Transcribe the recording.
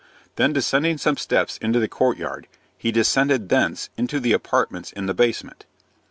Then, descending some steps into the courtyard, he descended thence into the apartments in the basement.